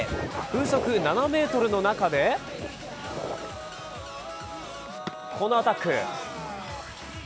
風速７メートルの中でこのアタック。